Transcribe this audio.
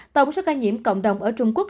tổng số ca nhiễm cộng đồng ở trung quốc